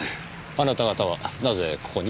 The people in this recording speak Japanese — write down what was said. あなた方はなぜここに？